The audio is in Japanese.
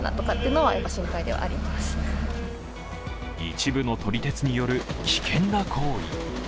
一部の撮り鉄による危険な行為。